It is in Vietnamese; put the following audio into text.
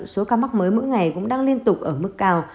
số ca mắc mới mỗi ngày cũng đang liên tục ở mức cao